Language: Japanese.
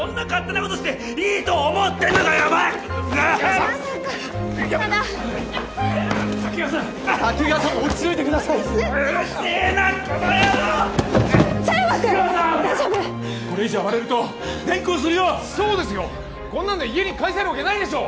こんなんで家に帰せるわけないでしょう！